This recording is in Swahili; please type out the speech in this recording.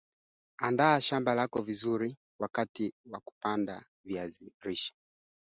katika jumuia ya Afrika ya Mashariki kutapanua biashara na ushirikiano wa kieneo